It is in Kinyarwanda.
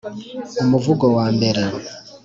Umuvugo wa mbere